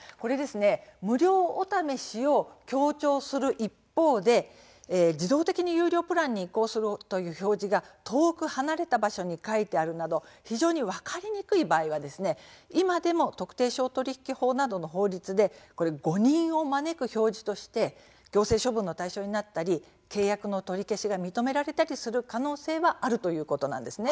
無料お試しを強調する一方で自動的に有料プランに移行するという表示が遠く離れた場所に書いてあるなど非常に分かりにくい場合は今でも特定商取引法などの法律で誤認を招く表示として行政処分の対象になったり契約の取り消しが認められたりする可能性もあるということです。